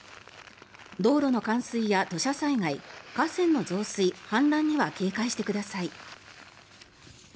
道路の冠水や土砂災害河川の増水・氾濫には警戒してください。